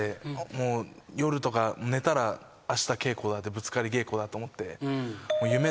夜とか寝たらあした稽古だぶつかり稽古だと思って。